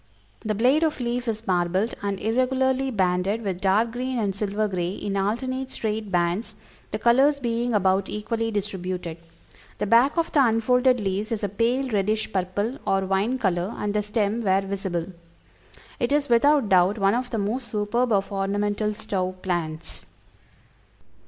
The blade of leaf is marbled and irregularly banded with dark green and silver gray in alternate straight bands, the colors being about equally distributed. The back of the unfolded leaves is a pale reddish purple or wine color, and the stem, where visible. It is, without doubt, one of the most superb of ornamental stove plants."